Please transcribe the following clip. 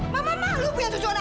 mama malu punya cucu anak haram